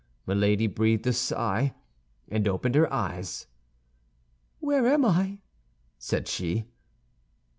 Milady breathed a sigh, and opened her eyes. "Where am I?" said she.